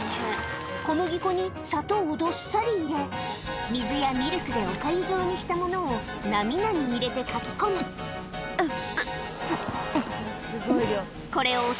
小麦粉に砂糖をどっさり入れ水やミルクでおかゆ状にしたものをなみなみ入れてかき込むうっ。